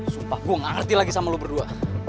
sumpah gue gak ngerti lagi sama lu berdua